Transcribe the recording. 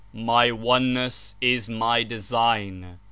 My Oneness is my design.